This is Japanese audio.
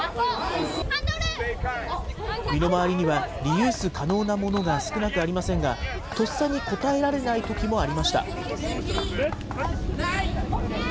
身の回りにはリユース可能なものが少なくありませんが、とっさに答えられないときもありました。